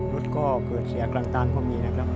รถก็เกิดเสียกลางก็มีนะครับ